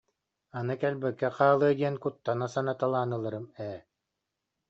«Аны кэлбэккэ хаалыа диэн куттана санаталаан ыларым ээ»